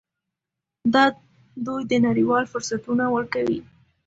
دا دوی ته نړیوال فرصتونه ورکوي.